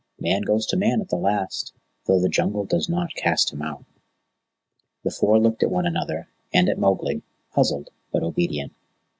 "Man goes to Man at the last, though the Jungle does not cast him out." The Four looked at one another and at Mowgli, puzzled but obedient.